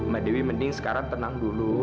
mbak dewi mending sekarang tenang dulu